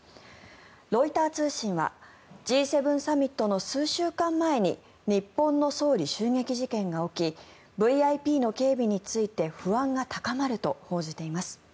ロイター通信はＧ７サミットの数週間前に日本の総理襲撃事件が起きＶＩＰの警備について不安が高まると報じています。